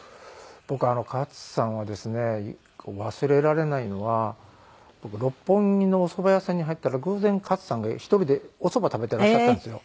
僕勝さんはですね忘れられないのは僕六本木のおそば屋さんに入ったら偶然勝さんが１人でおそば食べていらっしゃったんですよ。